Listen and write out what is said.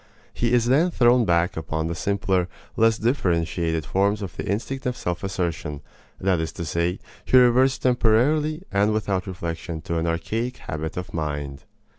He is then thrown back upon the simpler, less differentiated forms of the instinct of self assertion; that is to say, he reverts temporarily and without reflection to an archaic habit of mind.